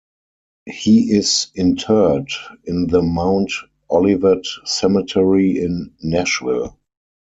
He is interred in the Mount Olivet Cemetery in Nashville.